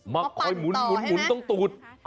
มาคอยหมุนตรงตูด